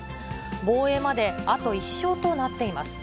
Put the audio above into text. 防衛まであと１勝となっています。